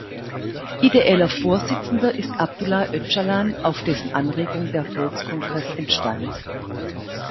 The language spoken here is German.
Ideeller Vorsitzender ist Abdullah Öcalan, auf dessen Anregung der Volkskongress entstand.